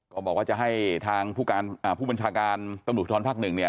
ก็บอกว่าจะให้ทางผู้บัญชาการตำรวจภูทรภาคหนึ่งเนี่ย